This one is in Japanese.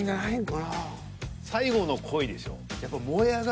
最後の恋でしょ。